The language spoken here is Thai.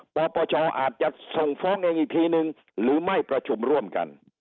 ปปชอาจจะส่งฟ้องเองอีกทีนึงหรือไม่ประชุมร่วมกัน